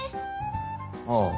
ああ。